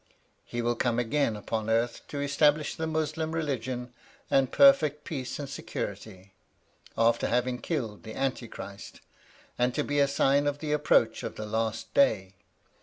He will come again upon earth, to establish the Muslim religion and perfect peace and security, after having killed Anti Christ, and to be a sign of the approach of the last day.